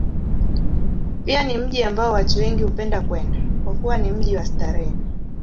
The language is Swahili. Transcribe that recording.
Pia ni mji ambao watu wengi hupenda kwenda, kwa kuwa ni mji wa starehe.